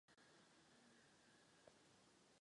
Hliník rostliny získávají z kyselých půd.